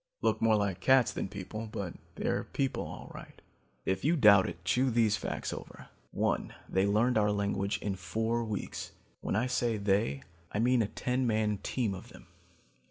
Look more like cats than people, but they're people all right. If you doubt it, chew these facts over. "One, they learned our language in four weeks. When I say they, I mean a ten man team of them.